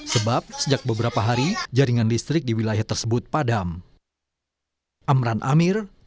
sebab sejak beberapa hari jaringan listrik di wilayah tersebut padam